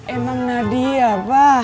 emang nadia pak